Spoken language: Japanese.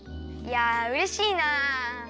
いやうれしいな。